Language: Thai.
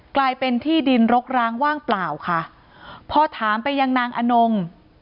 กลายเป็นที่ดินรกร้างว่างเปล่าค่ะพอถามไปยังนางอนง